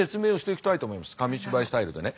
紙芝居スタイルでね。